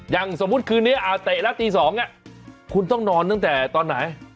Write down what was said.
อย่างสมมุติคืนนี้เตะแล้วตี๒คุณต้องนอนตั้งแต่ตอนไหน